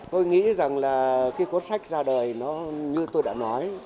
tôi nghĩ rằng là cái cuốn sách ra đời nó như tôi đã nói